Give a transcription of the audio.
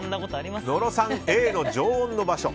野呂さん、Ａの常温の場所。